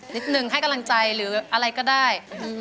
นิดนึงให้กำลังใจหรืออะไรก็ได้